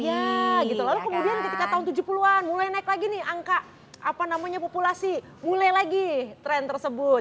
iya gitu lalu kemudian ketika tahun tujuh puluh an mulai naik lagi nih angka apa namanya populasi mulai lagi tren tersebut